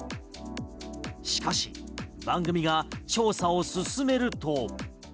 しかし番組が調査を進めると。